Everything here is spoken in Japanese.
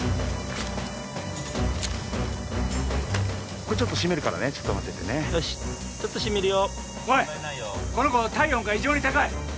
これちょっと閉めるからねちょっと待っててねよしちょっとしみるよおいこの子体温が異常に高い